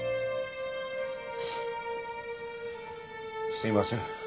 すいません。